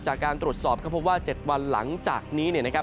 จากการตรวจสอบก็พบว่า๗วันหลังจากนี้เนี่ยนะครับ